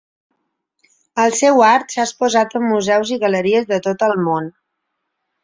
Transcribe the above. El seu art s'ha exposat a museus i galeries de tot el món.